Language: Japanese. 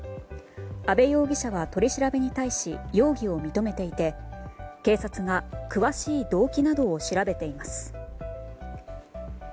安部容疑者は取り調べに対し容疑を認めていて警察が詳しい動機などを調べています。